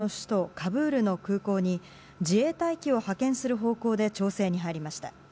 アフガニスタンの首都カブールの空港に自衛隊機を派遣する方向で調整に入りました。